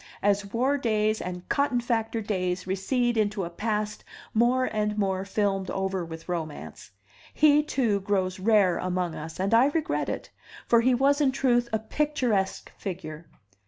As war days and cotton factor days recede into a past more and more filmed over with romance, he too grows rare among us, and I regret it, for he was in truth a picturesque figure.